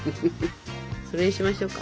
それにしましょうか。